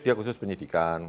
dia khusus penyidikan